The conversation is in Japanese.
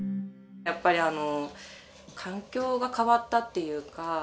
やっぱりあの環境が変わったっていうか